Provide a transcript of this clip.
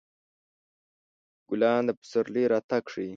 ګلان د پسرلي راتګ ښيي.